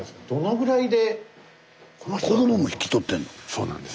そうなんです。